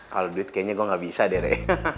kalau duit kayaknya gue gak bisa deh